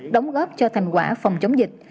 đóng góp cho thành quả phòng chống dịch